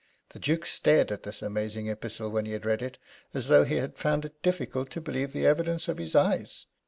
The Duke stared at this amazing epistle when he had read it as though he had found it difficult to believe the evidence of his eyes.